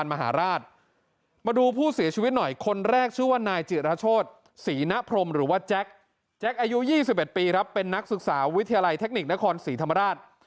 นายจิราโชธศรีนพรมหรือว่าแจ๊คแจ๊คอายุ๒๑ปีเป็นนักศึกษาวิทยาลัยเทคนิคนครศรีธรรมราช